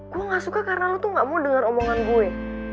gue gak suka karena lu tuh gak mau dengar omongan gue